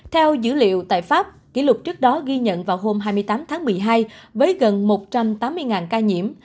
theo dữ liệu tại pháp kỷ lục trước đó ghi nhận vào hôm hai mươi tám tháng một mươi hai với gần một trăm tám mươi ca nhiễm